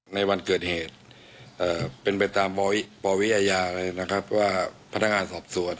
ในวันเกิดเหตุเป็นไปตามปวิยาว่าพนักงานสอบสวน